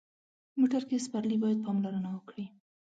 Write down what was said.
موټر کې سپرلي باید پاملرنه وکړي.